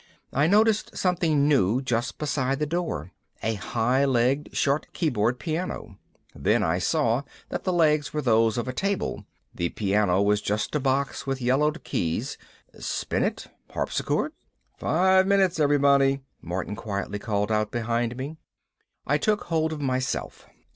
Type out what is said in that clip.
I noticed something new just beside the door: a high legged, short keyboard piano. Then I saw that the legs were those of a table. The piano was just a box with yellowed keys. Spinet? Harpsichord? "Five minutes, everybody," Martin quietly called out behind me. I took hold of myself.